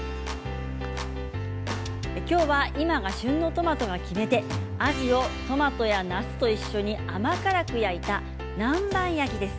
今日は今が旬のトマトが決め手あじをトマトやなすと一緒に甘辛く焼いた南蛮焼きです。